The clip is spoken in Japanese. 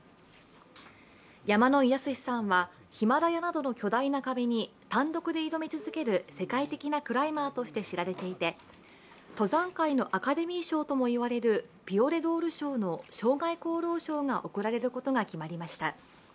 山野井泰史さんはヒマラヤなどの巨大な壁に単独で挑み続ける世界的なクライマーとして知られていて登山界のアカデミー賞ともいわれるピオレドール賞の生涯功労賞が贈られることが決まりました。